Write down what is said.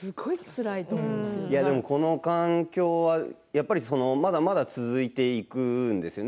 この環境はまだまだ続いていくんですよね。